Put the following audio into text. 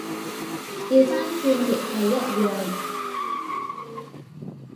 掉返轉亦係一樣